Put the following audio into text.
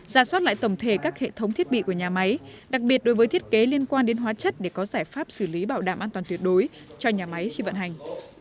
ra soát lại tổng thể các hệ thống thiết bị của nhà máy đặc biệt đối với thiết kế liên quan đến hóa chất để có giải pháp xử lý bảo đảm an toàn tuyệt đối cho nhà máy khi vận hành